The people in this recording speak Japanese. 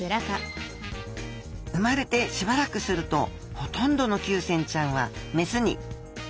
生まれてしばらくするとほとんどのキュウセンちゃんは雌に。